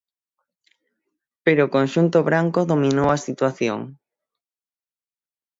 Pero o conxunto branco dominou a situación.